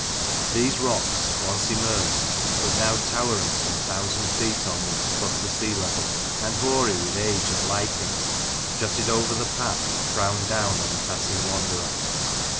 These rocks, once immersed, but now towering some thousand feet or more above the sea level, and hoary with age and lichens, jutted over the path, and frowned down on the passing wanderer.